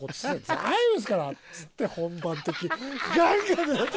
大丈夫ですから」っつって本番の時ガンガン狙って。